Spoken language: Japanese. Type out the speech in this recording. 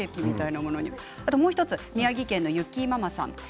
もう１つ、宮城県の方です。